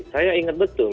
saya inget betul